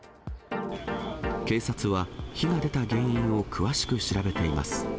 警察は、火が出た原因を詳しく調べています。